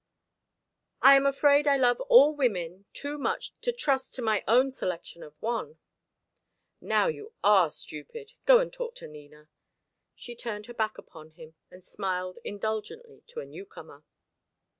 "I am afraid I love all women too much to trust to my own selection of one." "Now you are stupid. Go and talk to Nina." She turned her back upon him, and smiled indulgently to a new comer.